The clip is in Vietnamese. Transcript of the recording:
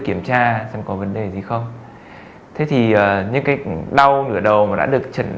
kiểm tra xem có vấn đề gì không thế thì những cái đau nửa đầu mà đã được